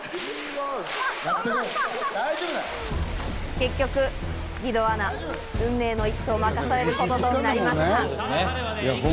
結局、義堂アナ運命の一投を任されることとなりました。